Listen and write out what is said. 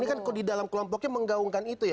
ini kan di dalam kelompoknya menggaungkan itu ya